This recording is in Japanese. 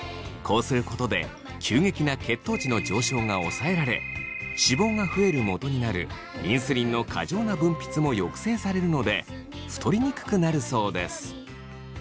こうすることで急激な血糖値の上昇が抑えられ脂肪が増えるもとになるインスリンの過剰な分泌も抑制されるので太りにくくなるそうです。